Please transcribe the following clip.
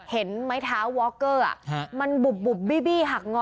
เห็นไม้เท้าวอคเกอร์มันบุบบีบี้หักงอ